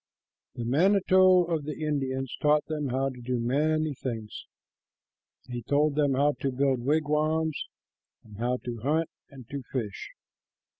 The manito of the Indians taught them how to do many things. He told them how to build wigwams, and how to hunt and to fish.